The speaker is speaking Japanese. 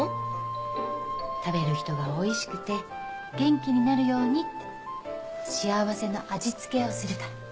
食べる人がおいしくて元気になるようにって幸せの味付けをするから。